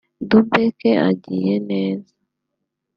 Dubke agiye neza